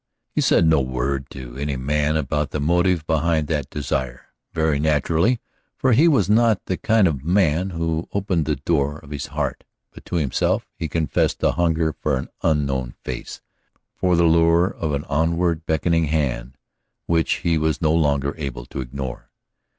He said no word to any man about the motive behind that desire, very naturally, for he was not the kind of a man who opened the door of his heart. But to himself he confessed the hunger for an unknown face, for the lure of an onward beckoning hand which he was no longer able to ignore.